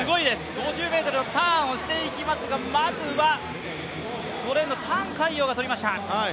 ５０ｍのターンをしていきますが、まず覃海洋が取りました。